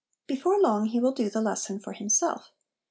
Before long he will do the lesson for himself.